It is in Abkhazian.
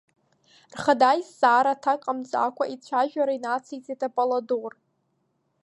Рхада изҵаара аҭак ҟамҵакәа ицәажәара инациҵеит Апполодор.